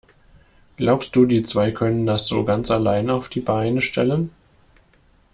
Glaubst du, die zwei können das so ganz alleine auf die Beine stellen?